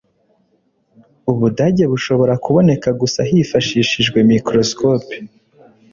ubudage bushobora kuboneka gusa hifashishijwe microscope